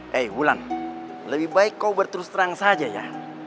hei pulang lebih baik kau berterus terang saja ya